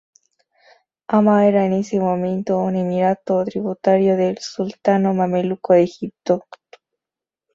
Hama era en ese momento un emirato tributario del sultanato mameluco de Egipto.